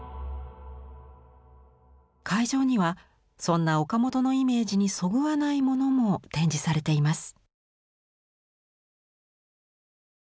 会場にはそんな岡本のイメージにそぐわないものも展示されています。